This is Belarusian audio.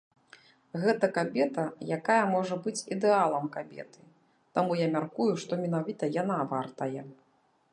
Гэта кабета, якая можа быць ідэалам кабеты, таму я мяркую, што менавіта яна вартая.